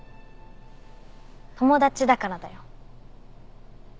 友達だからだよ。